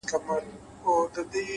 صادق چلند د درناوي سرچینه ګرځي,